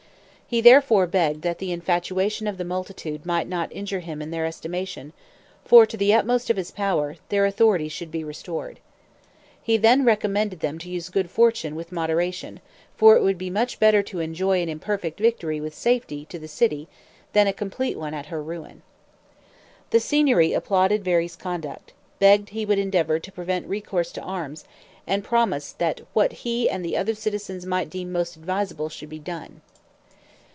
He therefore begged that the infatuation of the multitude might not injure him in their estimation; for, to the utmost of his power, their authority should be restored. He then recommended them to use good fortune with moderation; for it would be much better to enjoy an imperfect victory with safety to the city, than a complete one at her ruin. The Signory applauded Veri's conduct; begged he would endeavor to prevent recourse to arms, and promised that what he and the other citizens might deem most advisable should be done.